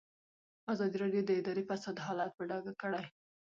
ازادي راډیو د اداري فساد حالت په ډاګه کړی.